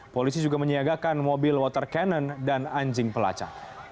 polisi juga menyiagakan mobil water cannon dan anjing pelacak